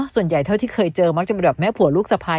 ส่วนใหญ่เท่าที่เคยเจอมักจะเป็นแบบแม่ผัวลูกสะพาย